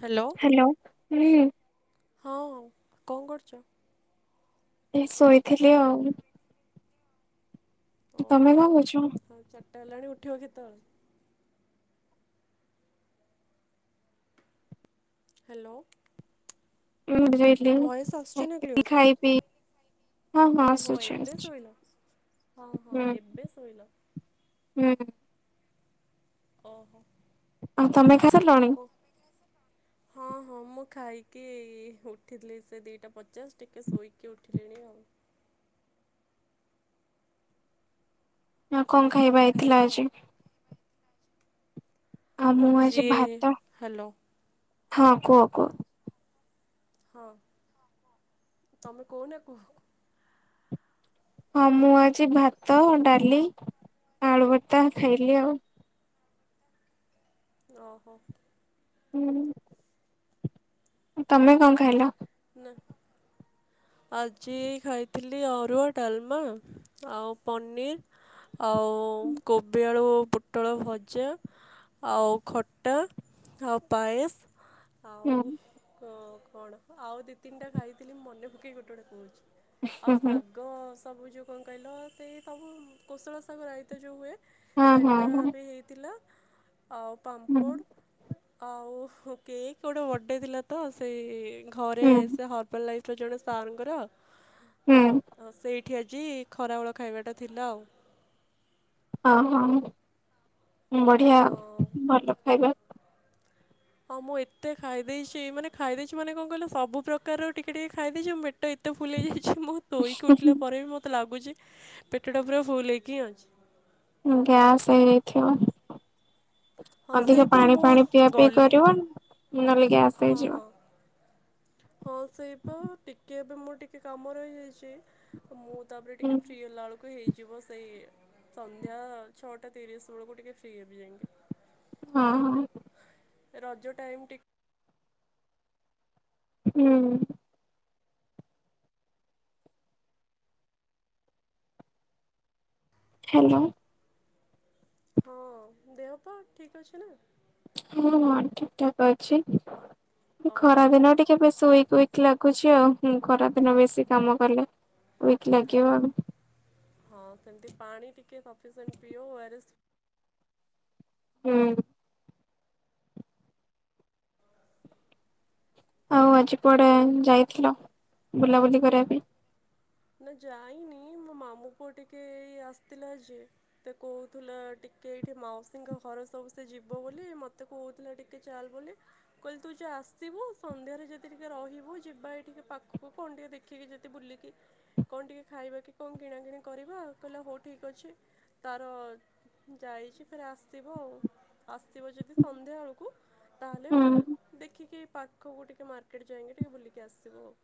Hello. Hello ହୁଁ। ହଁ ହଁ କଣ କରୁଚ? ଏଇ ଶୋଇଥିଲି ଆଉ। ତମେ ଓହୋ କଣ କରୁଛ? ଆଉ ଚାରଟା ହେଲାଣି ଉଠିବ କେତୋବେଳେ? ହାଲୋ। ମିମଡି ଯାଇଜ। ଭଏସ ଆସଚି ନା କ୍ଲିଅର୍? ହଁ ହଁ ଓହୋ ଆସୁଛି ଏବେ ଆସୁଛି ଶୋଇଲ। ହଁ ହଁ ହୁଁ ଏବେ ଶୋଇଲ। ହୁଁ। ଓହୋ। ଆଉ ତମେ ଖାଇ ଆଉ ସାଇଲଣି? କଣ ହଁ ହଁ ମୁଁ ଖାଇକି ଉଠିଥିଲି ସେ ଦିଟା ପଚାଶ ଟିକେ ଶୋଇକି ଉଠିଲିଣି ଆଉ। ଆଉ କଣ ଖାଇବା ହେଇଥିଲା ଆଜି? ଆଉ ମୁଁ ଆଜି ଭାତ। ହ୍ୟାଲୋ। ହଁ କୁଅ କୁଅ। ହଁ ତମେ କଉନା କୁହ। ହଁ ମୁଁ ଆଜି ଭାତ, ଡାଲି, ଆଳୁବର୍ତ୍ତା ଖାଇଲି ଆଉ। ଓହୋ। ହୁଁ। ତମେ କଣ ଖାଇଲ? ନା। ଆଜି ଖାଇଥିଲି ଅରୁଆ, ଡାଲମା, ଆଉ ପନିର୍ ଆଉ କୋବି, ଆଳୁ, ପୁଟଳ ଭଜା ଆଉ ଖଟା ଆଉ ପାଏସ। ହୁଁ ଆଉ କ କଣ ଆଉ ଦୁଇ ତିନିଟା ଖାଇଥିଲି ମନେ ପକେଇ ଗୋଟେ ଗୋଟେ କହୁଚି। ହୁଁ ଆଉ ହୁଁ ଶାଗ ସବୁ ଯୋଉ କଣ କଇଲ ସେ ସବୁ କୋଶଳ ଶାଗ ରାଇତା ଯୋଉ ହୁଏ। ହଁ ହଁ ସେଟା ହଁ ବି ହେଇଥିଲା। ଆଉ ହୁଁ ପାମ୍ପୋଡ଼ ଆଉ କେକ୍ ଗୋଟେ ବର୍ଡେ ଥିଲା ତ ସେଇ ଘରେ ହୁଁ ସେ ହର୍ବାଲ ଲାଇଫ୍ ରେ ଜଣେ ସାର୍ ଙ୍କର ହୁଁ ଅଁ ସେ ଠି ଆଜି ଖରାବେଳ ଖାଇବାଟା ଥିଲା ଆଉ। ହଁ ହଁ ବଢ଼ିଆ ହଁ। ଆଉ ଭଲ ଖାଇବା। ହଁ ମୁଁ ଏତେ ଖାଇ ଦେଇଛି ମାନେ ଖାଇ ଦେଇଛି ମାନେ କଣ କହିଲ ସବୁ ପ୍ରକାର ର ଟିକେ ଟିକେ ଖାଇ ଦେଇଛି ମୋ ପେ ଟ ଏତେ ଫୁଲ ହେଇଯାଇଛି ମୁଁ ତୋଇକି ଉଠିଲା ପରେ ବି ମୋତେ ଲାଗୁଛି ପେଟଟା ପୁରା ଫୁଲ ହେଇକି ହିଁ ଅଛି। ଗ୍ୟାସ ହେଇଯାଇଥିବ। ହଁ ଅଧିକ ସେଇପା ପାଣି ମୁଁ ଫାଣି ପିଆ ପିଇ ଗଲି କରିବ ନହେଲେ ଗ୍ୟାସ୍ ହଁ ହେଇଯିବ। ହଁ ହଁ ସେଇପା ଟିକେ ଏବେ ମୋର ଟିକେ କାମ ରହିଯାଇଛି ତ ମୁଁ ତାପରେ ହୁଁ ଟିକେ ଫ୍ରି ହେଲାବେଳୁ କୁ ହେଇଯିବ ସେଇ ସନ୍ଧ୍ୟା ଛଅଟା ତିରିଶ ବେଳକୁ ଟିକେ ଫ୍ରି ହେବି ଯାଇକି। ହଁ। ରଜ ଟାଇମ୍ ଟି ହୁଁ। ହାଲୋ। ହଁ ଦେହ ପାହା ଠିକ୍ ଅଛି ନା? ହଁ ହଁ ଠିକ ଠାକ ଅଛି ଓହୋ ଖରା ଦିନ ଟି କେବେ ଶୋଇକି ୱିକ ଲାଗୁଛି ଆଉ ହୁଁ ଖରା ଦିନ ବେଶୀ କାମ କଲେ। ୱିକ ଲାଗିିବ। ହଁ ସେମିତି ପାଣି ଟିକେ ସଫିସିଣ୍ଟ ପିଅ ଓ ଆର୍ ଏସ ହୁଁ। ଆଉ ଆଜି କୁଆଡ଼େ ଯାଇଥିଲ ବୁଲାବୁଲି କରିବା ପାଇଁ? ନା ଯାଇନି ମୋ ମାମୁଁ ପୁଅ ଟିକେ ଆସିଥିଲା ଯେ ତେ କହୁଥିଲ ଟିକେ ଏଇଠି ମାଉସୀଙ୍କ ଘର ସବୁ ସେ ଯିବ ବୋଲି ମତେ କହୁଥିଲା ଟିକେ ଚାଲ ବୋଲି। କହିଲି ତୁ ଯା ଆସିବୁ ସନ୍ଧ୍ୟାରେ ଯଦି ଟିକେ ରହିବୁ ଯିବା ଏ ଟିକେ ପାଖକୁ କଣ ଟିକେ ଦେ ଖିକି ଯେତେ ବୁଲିକି। କଣ ଟିକେ ଖାଇବା କି କଣ କିଣାକିଣି କରିବା କହିଲା ହଉ ଠିକ୍ ଅଛି ତାର ଯାଇଛି ଫେରେ ଆସିବ ଆଉ। ଆସିଥିବ ଯଦି ସନ୍ଧ୍ୟା ବେଳକୁ ହୁଁ ତାହେଲେ ଦେଖିକି ଏଇ ପାଖକୁ ଟିକେ ମାର୍କେଟ୍ ଯାଇକି ଟିକେ ବୁଲିକି ଆସିବୁ ଆଉ।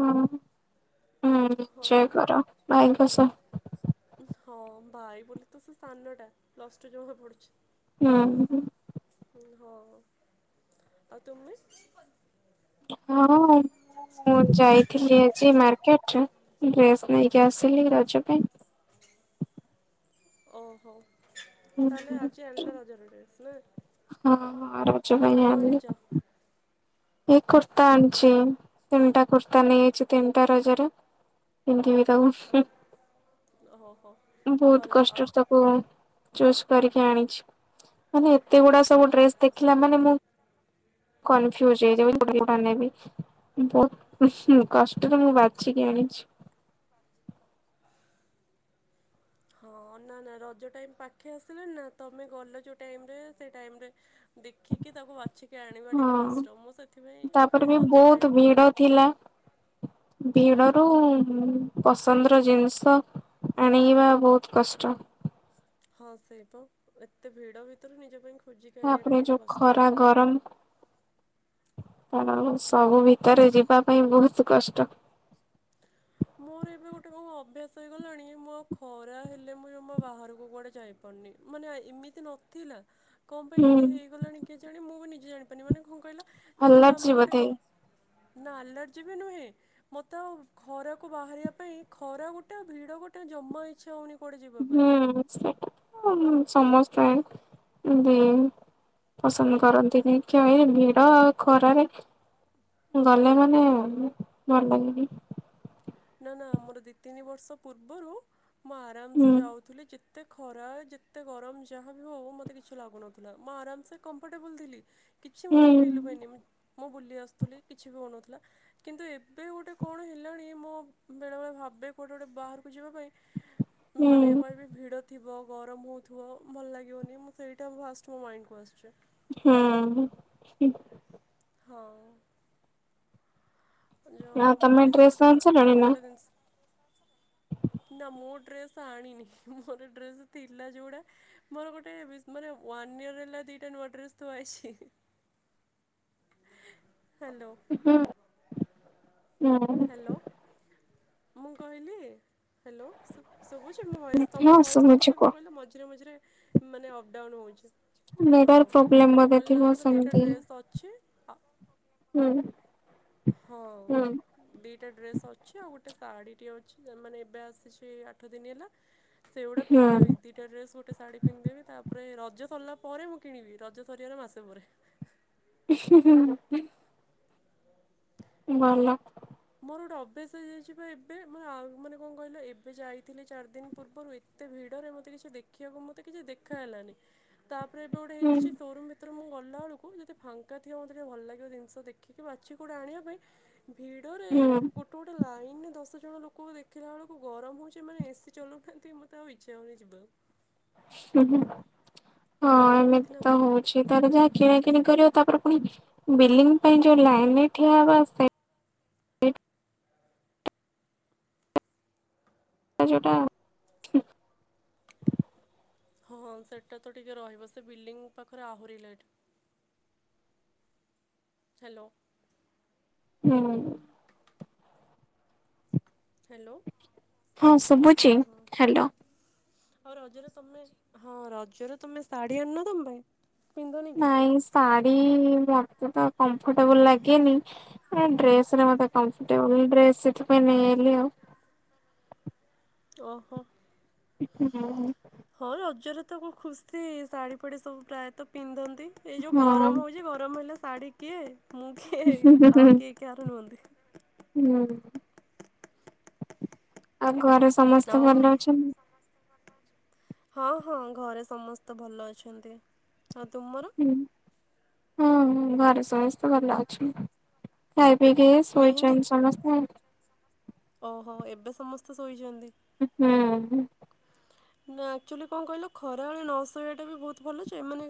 ହୁଁ ହୁଁ ସେୟା ହଁ। କର [unintelligible] ହଁ ଭାଇ ବୋଲି ତ ସେ ସାନଟା ପ୍ଲସ ଟୁ ଜମା ପଢ଼ୁଛି। [unintelligible] ହୁଁ ହୋଉ ଆଉ ତୁମେ? ହଁ ମୁଁ ଯାଇଥିଲି ଆଜି ମାର୍କେଟରେ ଡ୍ରେସ୍ ନେଇକି ଆସିଲି ରଜ ପାଇଁ। ଓହୋ ତାହେଲେ ପାଇଁ। ଆଜି ଆଣିଲା ରଜର ଡ୍ରେସ ନା? ହଁ ହଁ ରଜ ପାଇଁ କଣ ମୁଁ ଆଣିଲି। ଆଣିଛ ଏଇ କୁର୍ତ୍ତା ଆଣିଛି ତିନିଟା କୁର୍ତ୍ତା ନେଇ ଆଇଛି ତିନିଟା ରଜରେ। ପିନ୍ଧିବି ତାକୁ ହୁଁ। ଓହୋ ହୋ। ବହୁତ କଷ୍ଟରେ ତାକୁ ଚୁଜ କରିକି ଆଣିଛି। ମାନେ ଏତେ ଗୁଡ଼ା ସବୁ ଡ୍ରେସ ଦେଖିଲା ମାନେ ମୁଁ ଗ କନଫ୍ୟୁଜ ହେଇଯିବି କୋଉଟା କୋଉଟା ନେବି। ବହୁ କଷ୍ଟରେ ମୁଁ ବାଛିକି ଆଣିଛି। ହ [inaudible] ହଁ ନା ନା ରଜ ଟାଇମ ପାଖେଇ ଆସିଲାଣି ନା ତମେ ଗଲ ଯେଉଁ ଟାଇମରେ ସେ ଟାଇମରେ ଦେଖିକି ତାକୁ ବାଛିକି ଆଣିବା ଟିକେ ହଁ। କଷ୍ଟ ମୁଁ ତାପରେ ସେଥିପାଇଁ ବି ରଜ ବହୁତ ଟାଇମ୍ ବେଳୁ ଭିଡ ଥିଲା ଭିଡ ରୁ ପସନ୍ଦର ଜିନିଷ ଆଣିବା ବହୁତ କଷ୍ଟ। ହଁ ସେଇପ ଏତେ ଭିଡ ଭିତରୁ ନିଜ ପାଇଁ ଖ ଆପଣ ଯୋଉ ଖରା ଗରମ ତ ଆପଣଙ୍କୁ ସବୁ ଭିତରେ ଯିବା ପାଇଁ ବହୁତ କଷ୍ଟ। ମୋର ଏବେ ଗୋଟେ କଣ ଅଭ୍ୟାସ ହେଇଗଲାଣି ମୁଁ ଆଉ ଖରା ହେଲେ ମୁଁ ଜମା ବାହାରକୁ କୁଆଡେ ଯାଇ ନି ମାନେ ଏମିତି ନଥିଲା କଣ ପାଇଁ ଏମିତି ହୁଁ। ହେଇଗଲାଣି କେଜାଣି ମୁଁ ବି ନିଜେ ଜାଣିପାରୁନି ମାନେ କଣ କହିଲ ଯେତେବେଳେ ଆଲାର୍ଜି ଆମେ ଗୋଟେ ବୋଧେ କମ୍ ନା ଆଲର୍ଜି ବି ନୁହେଁ ମୋତେ ଆଉ ଖରା ବାହାରିବା ପାଇଁ ଖରା ଗୋଟେ ଆଉ ଭିଡ ଗୋଟେ ଜମା ଇଚ୍ଛା ହଉନି। ହୁଁ ସୋ ସମସ୍ତ [unintelligible] ପସନ୍ଦ କରନ୍ତିନି କେହି ଭିଡ ଆଉ ଖରାରେ ଗଲେ ମାନେ ଭଲ ଲାଗେନି। ନା ନା ମୋର ଦୁଇ ତିନି ବର୍ଷ ପୂର୍ବରୁ ମୁଁ ଆରାମସେ ହୁଁ ଯାଉଥିଲି ଯେ ଯେତେ ଖରା ଯେତେ ଗରମ ଯାହାବି ହଉ ମୋତେ କିଛି ଲାଗୁନଥିଲା ମୁଁ ଆରାମସେ କମ୍ଫର୍ଟେବୁଲ୍ ଥିଲି। କିଛି ହୁଁ ମୋତେ ଫିଲ୍ ହୁଏନି। ମୁଁ ବୁଲି ଆସୁଥିଲି କିଛି ବି ହୋଉନଥିଲା କିନ୍ତୁ ଏବେ ଗୋଟେ କଣ ହେଲାଣି ମୋ ବେଳେ ବେଳେ ଭାବେ କୁଆଡେ ଗୋଟେ ବାହାରକୁ ଯିବା ପାଇଁ ମାନେ ହୁଁ କହିବେ ଭିଡ ଥିବ ଗରମ ହେଉଥିବ ଭଲ ଲାଗିବନି ମୁଁ ସେଇଟା ଫାଷ୍ଟ ମୋ ମାଇଣ୍ଡକୁ ଆସୁଛି। ହଁ। ହଁ। ଯେଁ ଆଉ ତମେ ମଣିଷ ଡ୍ରେସ୍ ଗୋଟେ ଆଣି ସାରିଲଣି ସତରେ ମୁଁ ନା? ଗୋଟେ ଜିନିଷ ନା ମୁଁ ଡ୍ରେସ୍ ଆଣିନି ମୋର ଡ୍ରେସ ଥିଲା ଯୋଉଡା ମୋର ଗୋଟେ ବି ୱାନ୍ ଇୟର୍ ହେଲା ଦିଟା ନୂଆ ଡ୍ରେସ୍ ଥୁଆ ହେଇଛି। ହ୍ୟାଲୋ। ହଁ ହଁ। ହ୍ୟାଲୋ ମୁଁ କହିଲି ହ୍ୟା ହ୍ୟାଲୋ ଶୁଭୁଛି ମୋ ଭଏସ୍ ତମ ହଁ ଭଏସ୍ ଶୁଭୁଛି ଟିକିଏ କଣ କୁହ କହିଲେ ମଝିରେ ମଝିରେ ମାନେ ଅପ୍ଡାଉନ୍ ହୋଉଛି ହଁ ନେଟୱାର୍କ ପ୍ରୋବ୍ଲେମ ମୁଁ ବୋଧେ କହିଲି ନା ଥିବ ମୋର ଦୁଇଟା ସେମିତି ଡ୍ରେସ୍ ଅଛି। ହୁଁ। ହଁ। ଦିଇଟା ଡ୍ରେସ୍ ଅଛି ଆଉ ଗୋଟେ ଶାଢ଼ୀଟିଏ ଅଛି ମାନେ ଏବେ ଆସିଛି ଆଠ ଦିନ ହେଲା। ସେଉଗୁଡ଼ା ହୁଁ ପିନ୍ଧିଦେବି। ଦିଟା ଡ୍ରେସ୍ ଗୋଟେ ଶାଢ଼ୀ ପିନ୍ଧଦେବି ତାପରେ ରଜ ସରିଲା ପରେ ମୁଁ କିଣିବି ରଜ ସରିବାର ମାସେ ପରେ ହଁଁ [unintelligible] ଭଲ। ମୋର ଗୋଟେ ଅଭ୍ୟାସ ହେଇଯାଇଛି ପା ଏବେ ମୁଁ ଆଉ ମାନେ କଣ କହିଲ ଏବେ ଯାଇଥିଲି ଚାରି ଦିନ ପୂର୍ବରୁ ଏତେ ଭିଡରେ ମତେ କିଛି ଦେଖିବାକୁ ମତେ କିଛି ଦେଖା ହେଲାନି ତାପରେ ଏବେ ଗୋଟେ ହୁଁ ହେଇଯାଇଛି ସୋରୁମ୍ ଭିତ ତାରେ ମୁଁ ଗଲାବେଳକୁ ଯଦି ଫାଙ୍କାଥିବ ମୋତେ ଟିକେ ଭଲ ଲାଗିବ ଜିନିଷ ଦେଖିକି ବାଛି କଉଟା ଆଣିବା ପାଇଁ। ଭିଡ଼ରେ ହୁଁ ଗୋଟେ ଗୋଟେ ଲାଇନରେ ଦଶ ଜଣ ଲୋକ ଦେଖିଲା ବେଳକୁ ଗରମ ହଉଛି ମାନେ ଏସି ଚଲଉନାହାନ୍ତି ମୋତେ ଆଉ ଇଚ୍ଛା ହୋ ଉନି ଯିବାକୁ। ହୁଁ ହୁଁ ଥିନା ହଏମିତି ତ ହଉଚି। ଅଛି ତାର ଯାହା କିଣା କିିଣି କରିବ ତାପରେ ପୁଣି ବିଲଙ୍ଗ ପାଇଁ ଯୋଉ ଲାଇନ ଠିଆ ହେବା! ହେ ଯୋଉଟା, ହଁ ସେଟା ତ ଟିକେ ରହିବ ସେ ବିଲ୍ଡିଂ ପାଖରେ ଆହୁରି ଲେଟ। ହ୍ୟାଲୋ ହୁଁ ହ୍ୟାଲୋ ହଁ ଶୁଭୁଛି ହ୍ୟାଲୋ, ହଉ ରଜରେ ତମେ ହଁ ରଜରେ ତମେ ଶାଢୀ ଆଣିନ ତମ ପାଇଁ? ପିନ୍ଧନି କି? ନାଇଁ ଶାଢ଼ୀ ମତେ ତ କମ୍ଫର୍ଟେବୁଲ ଲାଗେନି? ଡ୍ରେସରେ ମତେ କମ୍ଫର୍ଟେବଲ ଡ୍ରେସ ସେଥିପାଇଁ ନେଇଲି ଆଉ। ଓହୋ ହୁଁ! [unintelligible] ହଁ ରଜରେ ତବହୁତ ଖୁସି ଶାଢ଼ୀ ଫାଡି ସବୁ ପ୍ରାୟତଃ ପିନ୍ଧନ୍ତି। ଏଇ ଯଉ ହଁ। ଗରମ ହଉଛି ଗରମ ହେଲେ ଶାଢ଼ୀ କିଏ ମୁଁ କିଏ ଆଉ କିଏ କାହାର ନୁହନ୍ତି। ହୁଁ। ଆଉ ଘରେ ସମସ୍ତେ ଆଉ ମେ ଭଲ ଅଛନ୍ତି? ହଁ ହଁ ଘରେ ସମସ୍ତେ ଭଲ ଅଛନ୍ତି ଆଉ ତୁମର? ହୁଁ ହଁ ହଁ ଘରେ ସମସ୍ତେ ଭଲ ଅଛନ୍ତି ଖାଇ ପିଇକି ମେହେନ୍ଦୀ ଶୋଇଛନ୍ତି ସମସ୍ତେ। ଓହୋ ଏବେ ସମସ୍ତେ ଶୋଇଛନ୍ତି। ହୁଁ। ନା ଆକ୍ଚୁଆଲି କଣ କହିଲ ଖରାବେଳେ ନ ଶୋଇବାଟା ବି ବହୁତ ଭଲ ଯେ ମାନେ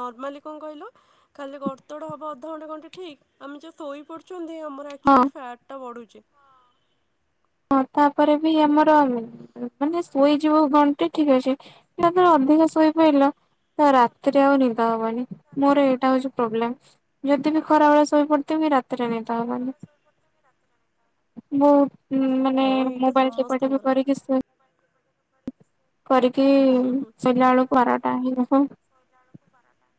ନର୍ମାଲି କଣ କହିଲ? ଖାଲି ଗଡ ତଡ ହବ ଅଧ ଘଣ୍ଟେ ଠିକ୍ ଆମେ ଯଉଁ ଶୋଇ ପଡୁଛନ୍ତି ଆମର, ହଁ। ଆକ୍ଚୁଆଲି ଫ୍ୟା୍ଟା ବଢୁଛି। ହଁ ତାପରେ ବି ଆମର ମାନେ ଶୋଇଯିବ ଘଣ୍ଟେ ଠିକ୍ ଅଛି, ତାପରେ ଅଧିକ ଶୋଇ ପାଇ ଲ। ରାତିରେ ଆଉ ନିଦ ହବନି ମୋର ଏଇଟା ହଉଛି ପ୍ରୋବ୍ଲେମ, ଯଦି ବି ଖରାବେେଳେ ସୋଇ ପଡି ତେବେ ବି ରାତିରେ ନେଦ ହବନି। ଶୋଇପଡ଼ିଛନ୍ତି ନା! ବହୁତ ମାନେ ଏଇଟା ମୋବାଇଲ୍ ଟିପା ଟିପି ସମସ୍ତଙ୍କର କରିକି, ଶୋଇ କରିକି ସୋଇଲା ବେଳକୁ ବାରଟା ହେଇଯାଏ। ଶୋଇଲା ବେଳକୁ ବାରଟା।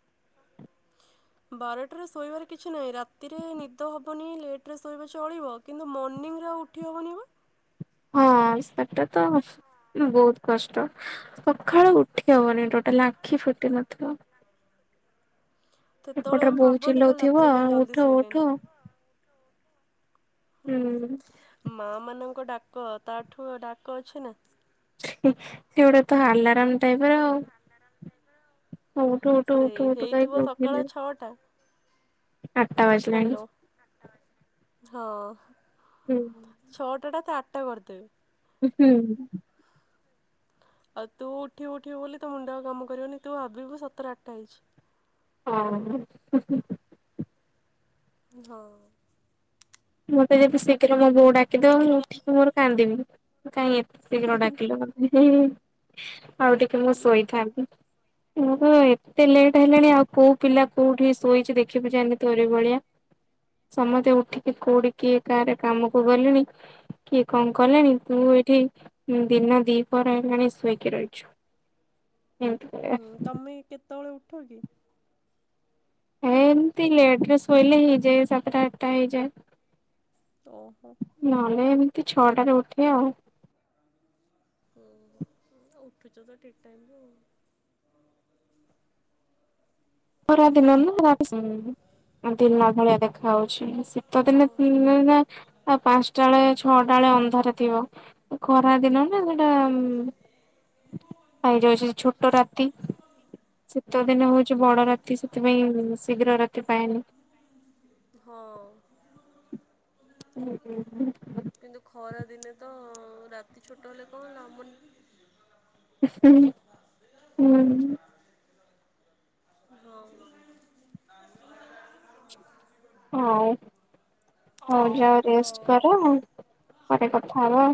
ବାରଟାରେ ଶୋଇବାର କିଛି ନାହିଁ ରାତିରେ ନିଦ ହବନି ଲେଟ ରେ ଶୋଇଲେ ଚଳିବ।। କିନ୍ତୁ ମର୍ନିଙ୍ଗ ଆଉ ଉଠି ହବନି ବା। ହଁ ସେଟା ତ ବହୁତ କଷ୍ଟ। ସକାଳୁ ଉଠି ହବନି ଟୋଟାଲ ଆଖି ଫିଟୁ ନଥିବ। ସେତେବେଳେ ଏପଟରେ ଆମେ ବୋଉ ଭାବନ୍ତି କାଲି ଚିଲଉଥିବ ରାତିରେ କାହିଁ ଉଠ ଜଲଦି ଉଠ ଶୋଇଲିନି। ହୁଁଉଁ। ମା ମାନଙ୍କ ଡାକ ତାଠୁ ଡାକ ଅଛି ନା! କିଏ ଗୋଟେ ତ ଆଲାରାମ ଦେବେ ଆଉ। ହଉ ଉଠୁ ଉଠୁ ଉଠୁ ସେଇ ଉଠୁ କହିକି ହେଇଥିବ ସକାଳ ଉଠେଇଦେବେ ଛଅଟା। ଆଠଟା ବାଜିଲାଣି। ହ୍ୟାଲୋ ହଁ। ହୁଁ ଛଅଟା ଟା ତା ଆଟା କରିଦେବେ। ହୁଁ। ଆଉ ତୁ ଉଠିବୁ ଉଠିବୁ ବୋଲି ତ ମୁଣ୍ଡ କାମ କରିବୁନି ତୁ ଭାବିବୁ ସତରେ ଆଠଟା ହେଇଛି। ଅଁ [unintelligible] ହଁ। ମତେ ଯଦି ଶୀଘ୍ର ମୋ ବୋଉ ଡାକିଦବ ମୁଁ ଉଠିକି ମୋର କାନ୍ଦିବି କାଇଁ ଏତେ ଶୀଘ୍ର ଡାକିଲୁ ମତେ। ହୁଁ ଆଉ ଟିକେ ମୁଁ ଶୋଇଥାନ୍ତିି। [unintelligible] ଏତେ ଲେଟ୍ ହେଲାଣି ଆଉ କୋଉ ପିଲା କୋଉଠି ଶୋଇଚି ଦେଖିବୁ ଜାଆନି ତୋରି ଭଳିଆ। ସମତେ ଉଠିକି କୋଉଠି କିଏ କାରେ କାମକୁ ଗଲେଣି। କିଏ କଣ କଲେଣି ତୁ ଏଠି ଦିନ ଦିପଅର ହେଲାଣି ଶୋଇକି ରହିଛୁ। ଏମିତି କହିବା। ହୁଁ ତମେ କେତେବେଳେ ଉଠ କି? ହେମିତି ଲେଟରେ ଶୋଇଲେ ହେଇଯାଏ ସାତଟା ଆଠଟା ହେଇଯାଏ। ଓହୋ। ନଲେ ଏମିତି ଛଅଟାରେ ଉଠେ ଆଉ। ଉଠୁଚ ତ ଠିକ୍ ଟାଇମ୍ ରେ ଆଉ। ଖରା ଦିନ ନା [unintelligible] ଦିନ ଭଳିଆ ଦେଖା ଆଉଚି। ଶୀତ ଦିନେ ହଁ ଦିନେ ଦିନେ ପାଁସଟା ବେଳେ ଛଅଟା ବେଳେ ଅନ୍ଧାର ଥିବ। ଖରାଦିନ ନା ସେଟା ପାଇ ଯାଉଚି ଛୋଟ ରାତି ଶୀତ ଦିନ ହୋଉଚି ବଡ଼ ରାତି। ସେଥିପାଇଁ ଶୀଘ୍ର ରାତି ପାଏନି। ହଁ। [unintelligible] କିନ୍ତୁ ଖରା ଦିନେ ତ ରାତି ଛୋଟ ହେଲେ କଣ ହେଲା [unintelligible] ହୁଁ ହଁ। ହୋଉ ହୋଉ ଯାଅ ରେଷ୍ଟ ହଉ ହଉ। କର ପରେ କଥା ହବା।